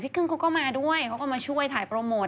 กึ้งเขาก็มาด้วยเขาก็มาช่วยถ่ายโปรโมท